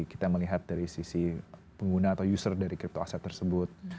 kita melihat dari sisi pengguna atau user dari crypto aset tersebut